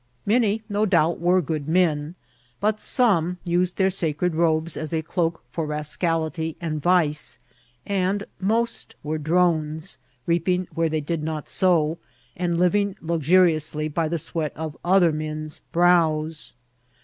Many, no doubt, were good men ; but some used their sacred robes as a cloak for rascality and vice, and most were drones, reding where they did not sow, and living luxuriously by the sweat of other men's brows.